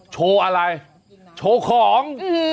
โชว์อะไรโชว์ของ